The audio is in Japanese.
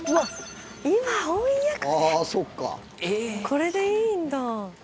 「これでいいんだ」